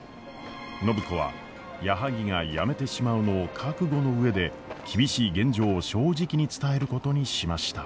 暢子は矢作が辞めてしまうのを覚悟の上で厳しい現状を正直に伝えることにしました。